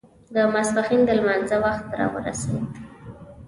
د ماسپښين د لمانځه وخت را ورسېد.